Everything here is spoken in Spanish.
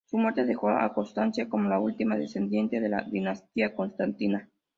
Su muerte dejó a Constancia como la última descendiente de la dinastía constantiniana.